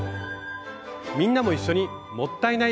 みんなも一緒に「もったいない」